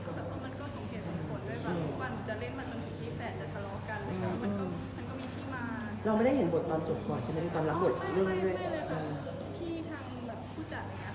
ค่ะแต่ว่าจริงหนูว่ามันเป็นพอเดิมที่ผู้ใหญ่คงวางไว้อยู่แล้ว